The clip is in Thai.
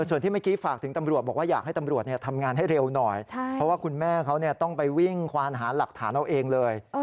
ส่วนที่เมื่อกี้ฝากถึงตำรวจบอกว่าอยากให้ตำรวจทำงานให้เร็วหน่อยเพราะว่าคุณแม่เขาต้องไปวิ่งควานหาหลักฐานเอาเองเลย